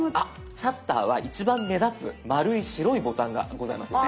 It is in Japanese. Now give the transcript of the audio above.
シャッターは一番目立つ丸い白いボタンがございますよね？